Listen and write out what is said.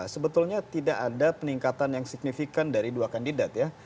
sebetulnya tidak ada peningkatan yang signifikan dari dua kandidat ya